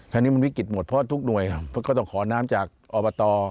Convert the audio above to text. ทางนี้มันวิกฤตหมดเพราะทุกหน่วยก็ต้องขอน้ำจากอบต